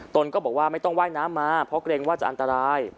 ตนก็บอกว่าไม่ต้องว่ายน้ำมาเพราะเกรงว่าจะอันตราย